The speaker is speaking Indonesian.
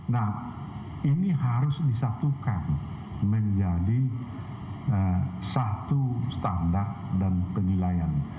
nah ini harus disatukan menjadi satu standar dan penilaian